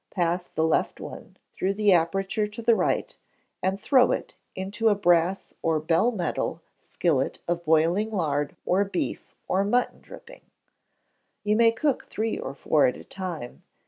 Pass the left one through the aperture to the right, and throw it into a brass or bell metal skillet of BOILING lard or beef or mutton dripping. You may cook three or four at a time.